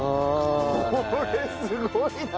これすごいな。